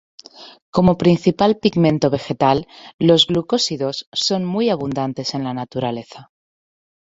Como principal pigmento vegetal, los glucósidos son muy abundantes en la naturaleza.